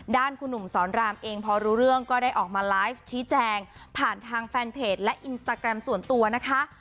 คุณหนุ่มสอนรามเองพอรู้เรื่องก็ได้ออกมาไลฟ์ชี้แจงผ่านทางแฟนเพจและอินสตาแกรมส่วนตัวนะคะ